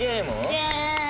イエーイ！